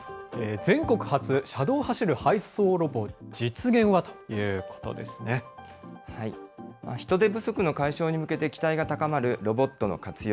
全国初、車道走る配送ロボ、実現人手不足の解消に向けて期待が高まるロボットの活用。